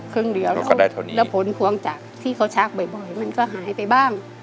ครึ่งเดียวแล้วผลควรจากที่เขาชักบ่อยมันก็หายไปบ้าง